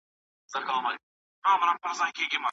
لويه جرګه به د ملي اقتصاد د خپلواکۍ لپاره تګلاره جوړه کړي.